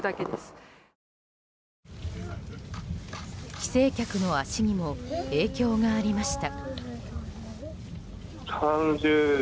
帰省客の足にも影響がありました。